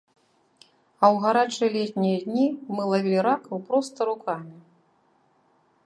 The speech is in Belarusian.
А ў гарачыя летнія дні мы лавілі ракаў проста рукамі.